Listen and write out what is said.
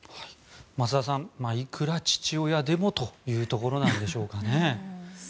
増田さんいくら父親でもというところなんでしょうかね。